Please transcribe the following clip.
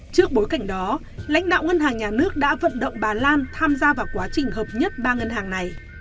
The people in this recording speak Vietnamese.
trước bối cảnh đó lãnh đạo ngân hàng nhà nước đã vận động bà lan tham gia vào quá trình hợp nhất ba ngân hàng này